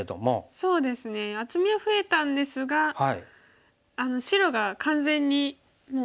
そうですね厚みは増えたんですが白が完全にもう。